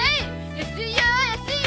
安いよ安いよ！